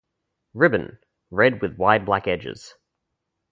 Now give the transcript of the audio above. "Ribbon": red with wide black edges.